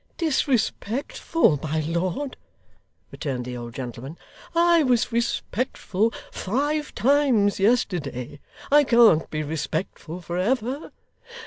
'Disrespectful, my lord!' returned the old gentleman. 'I was respectful five times yesterday. I can't be respectful for ever.